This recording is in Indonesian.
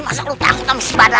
masa lo takut amus si badan